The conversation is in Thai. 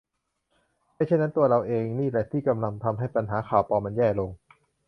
ไม่เช่นนั้นตัวเราเองนี่แหละที่กำลังทำให้ปัญหา ข่าวปลอม มันแย่ลง